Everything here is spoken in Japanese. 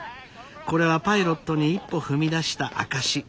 これはパイロットに一歩踏み出した証し。